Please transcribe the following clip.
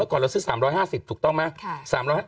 ก่อนเราซื้อ๓๕๐ถูกต้องไหม